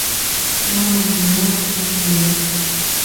كان منّاد حزينا.